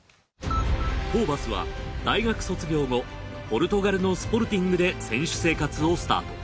ホーバスは大学卒業後ポルトガルのスポルティングで選手生活をスタート。